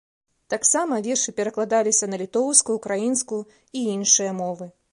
Таксама вершы перакладаліся на літоўскую, украінскую і іншыя мовы.